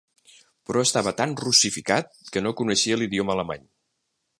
Però estava tan russificat, que no coneixia l'idioma alemany.